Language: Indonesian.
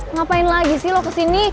ngapain lagi sih lo kesini